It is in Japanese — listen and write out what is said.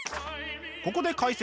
ここで解説。